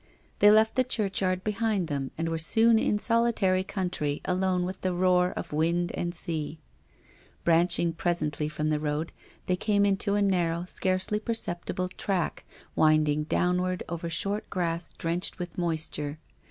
They left the churchyard behind them, and were soon in solitary country alone with the roar of wind and sea. Branching presently from the road they came into a narrow, scarcely perceptible, track, winding downward over short grass drenched with moisture.